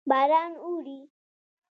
باران اوري.